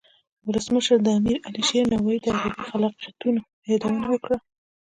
ولسمشر د امیر علي شیر نوایی د ادبی خلاقیتونو یادونه وکړه.